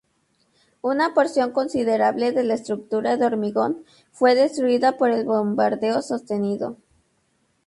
Una porción considerable de la estructura de hormigón fue destruida por el bombardeo sostenido.